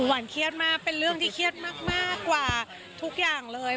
หวานเครียดมากเป็นเรื่องที่เครียดมากกว่าทุกอย่างเลย